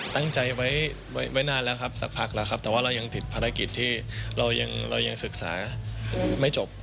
ตั้งใจไว้ไม่นานแล้วครับสักพักแล้วครับแต่ว่าเรายังติดภารกิจที่เรายังศึกษาไม่จบ